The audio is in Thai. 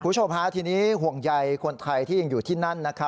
คุณผู้ชมฮะทีนี้ห่วงใยคนไทยที่ยังอยู่ที่นั่น